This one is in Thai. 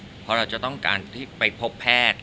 เพราะเราจะต้องการที่ไปพบแพทย์